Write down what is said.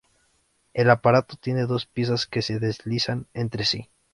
El aparato tiene dos piezas que se deslizan entre sí.